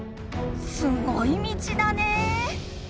すごい道だね。